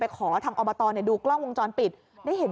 ไปขอทางอบตดูกล้องวงจรปิด